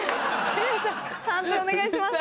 判定お願いします。